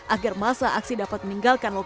agar masa aksi dapat diperoleh